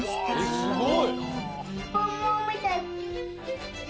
すごい。